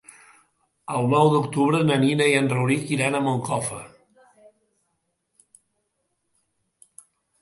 El nou d'octubre na Nina i en Rauric iran a Moncofa.